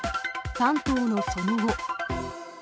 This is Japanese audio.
３頭のその後。